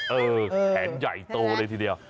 แขนใหญ่โตเลยทีเดียว